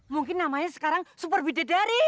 mungkin namanya sekarang super bijadari